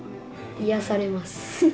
癒やされます。